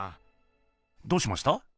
どうしました？